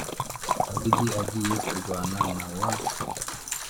dawidi agiye kurwana na wa